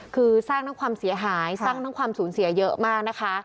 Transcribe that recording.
คือสร้างทั้งความเสียหายสร้างทั้งความสูญเสียเยอะมากนะคะ